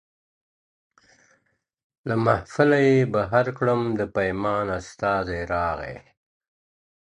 له محفله یې بهر کړم د پیمان استازی راغی.